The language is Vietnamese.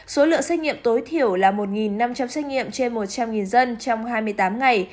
số lượng xét nghiệm tối thiểu là một năm trăm linh xét nghiệm trên một trăm linh dân trong hai mươi tám ngày